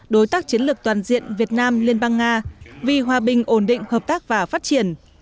đối tác chiến lược toàn diện việt nam liên bang nga vì hòa bình ổn định hợp tác và phát triển